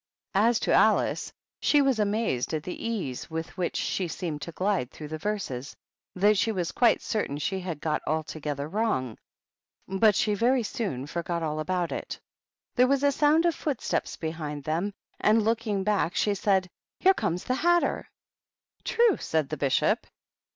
As to Alice, she was amazed at the ease with which she seemed to glide through the verses that she was quite certain she had got altogether wrong, but she very soon forgot all about it. There was a sound of footsteps behind them, and, looking back, she said, "Here comes the Hatter." " True," said the Bishop.